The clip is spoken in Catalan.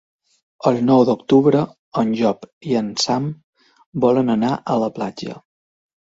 El nou d'octubre en Llop i en Sam volen anar a la platja.